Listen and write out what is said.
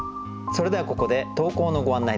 それではここで投稿のご案内です。